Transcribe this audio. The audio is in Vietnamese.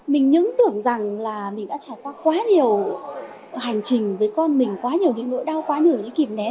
mình nhứng tưởng rằng là mình đã trải qua quá nhiều hành trình với con mình quá nhiều những nỗi đau quá nhiều những kìm nén